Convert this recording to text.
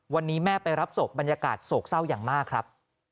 วันนี้แม่ไปรับศพบรรยากาศโศกเศร้าอย่างมากครับ